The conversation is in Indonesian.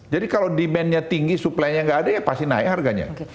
jadi kalau demandnya tinggi supplynya nggak ada ya pasti naik harganya